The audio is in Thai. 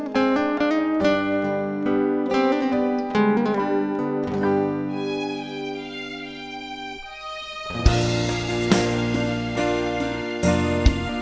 เพื่อรับความรับทราบของคุณ